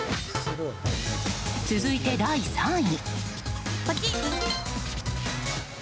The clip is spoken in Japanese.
続いて第３位。